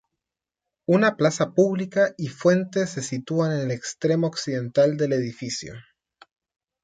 Una plaza pública y fuente se sitúan en el extremo occidental del edificio.